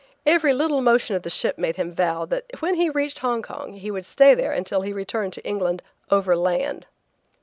Every little motion of the ship made him vow that when he reached Hong Kong he would stay there until he could return to England overland!